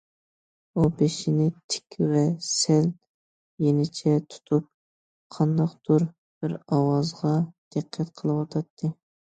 ئۇ بېشىنى تىك ۋە سەل يېنىچە تۇتۇپ قانداقتۇر بىر ئاۋازغا دىققەت قىلىۋاتاتتى.